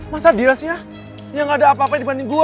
masa dia sih ya yang ada apa apa dibanding gua